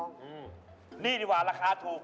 นี่ที่ดีแล้วราคาถูก